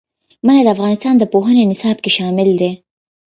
منی د افغانستان د پوهنې نصاب کې شامل دي.